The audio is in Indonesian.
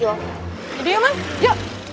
yaudah ya ma yuk